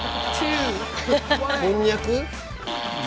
こんにゃく？